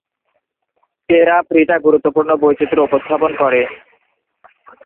টেরা প্রিটা গুরুত্বপূর্ণ বৈচিত্র্য উপস্থাপন করে।